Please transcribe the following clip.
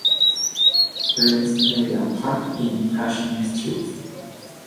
Rains play their part in flushing streets.